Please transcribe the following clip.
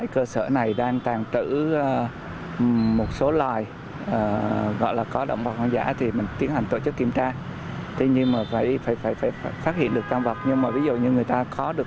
các vật nhưng mà ví dụ như người ta có được